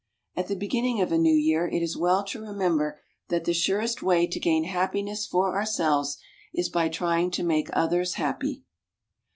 At the beginning of a new year it is well to remember that the surest way to gain happiness for ourselves is by trying to make others happy.